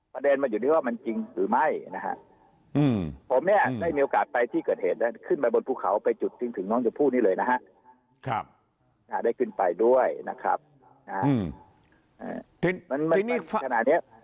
ผมว่าพูดตรงตรงมันเป็นปัญหามาจากระบบงานสอบสวนด้วยนะครับเพราะอะไร